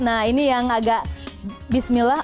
nah ini yang agak bismillah